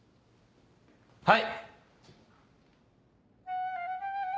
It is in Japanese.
はい‼